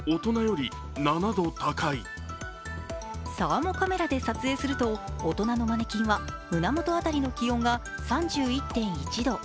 サーモカメラで撮影すると大人のマネキンは胸元辺りの気温が３１．１度。